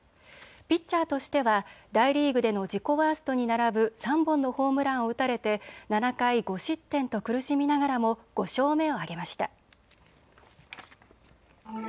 ピッチャーとしては大リーグでの自己ワーストに並ぶ３本のホームランを打たれて７回５失点と苦しみながらも５勝目を挙げました。